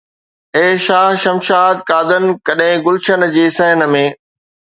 اي شاهه شمشاد قادن، ڪڏهن گلشن جي صحن ۾